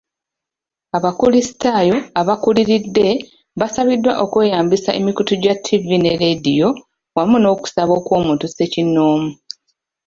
Abakulisitaayo abakuliridde basabiddwa okweyambisa emikutu gya ttivvi ne leediyo wamu n'okusaba okw'omuntu ssekinnoomu.